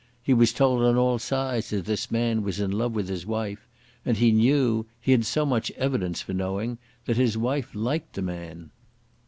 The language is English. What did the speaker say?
He was told on all sides that this man was in love with his wife, and he knew, he had so much evidence for knowing, that his wife liked the man.